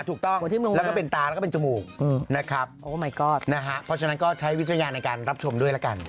ถูกต้องแล้วก็เป็นตาแล้วก็เป็นจมูกนะครับเพราะฉะนั้นก็ใช้วิจารณญาณในการรับชมด้วยละกัน